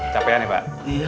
capean ya pak